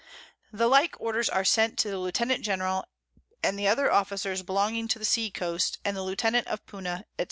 "The like Orders are sent to the Lieutenant General, and the other Officers belonging to the Sea Coast, and the Lieutenant of Puna, _&c.